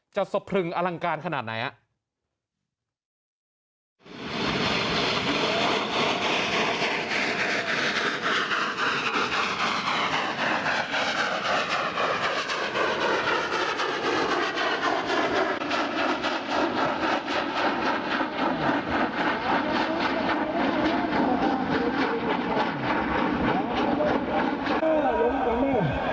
จะสะพรึงอลังการขนาดไหนอ่ะ